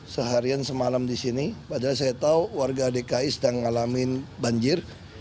seharian semalam di sini padahal saya tahu warga dki sedang ngalamin banjir